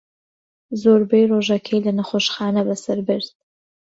زۆربەی ڕۆژەکەی لە نەخۆشخانە بەسەر برد.